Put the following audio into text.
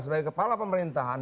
sebagai kepala pemerintahan